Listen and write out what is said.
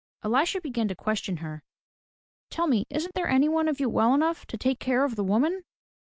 EUsha began to question her. "Tell me, isn't there any one of you well enough to take care of the woman?"